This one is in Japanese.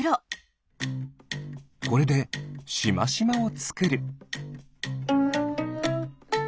これでしましまをつくる。